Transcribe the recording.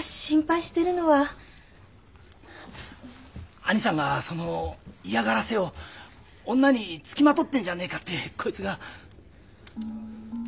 義兄さんがその嫌がらせを女につきまとってんじゃねえかってこいつが。